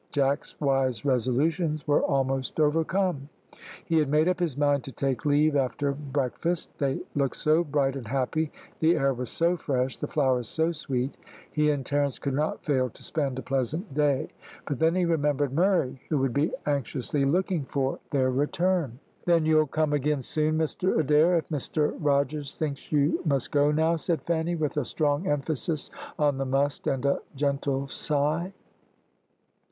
Jack's wise resolutions were almost overcome. He had made up his mind to take leave after breakfast. They looked so bright and happy; the air was so fresh, the flowers so sweet. He and Terence could not fail to spend a pleasant day, but then he remembered Murray, who would be anxiously looking for their return. "Then you'll come again soon, Mr Adair, if Mr Rogers thinks you must go now," said Fanny, with a strong emphasis on the must, and a gentle sigh.